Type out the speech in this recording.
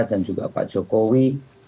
dan juga pak jokowi